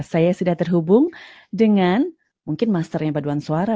saya sudah terhubung dengan mungkin masternya paduan suara